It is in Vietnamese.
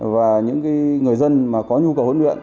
và những người dân mà có nhu cầu huấn luyện